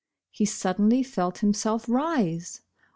He suddenly felt himself rise.